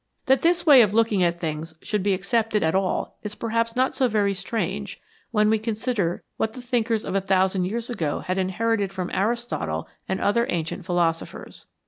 That this way of looking at things should be accepted at all is perhaps not so very strange when we consider what the thinkers of a thousand years ago had inherited from Aristotle and other ancient philosophers.